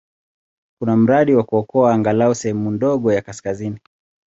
Kuna mradi wa kuokoa angalau sehemu ndogo ya kaskazini.